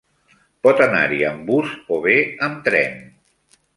Pot anar-hi amb bus o bé amb tren.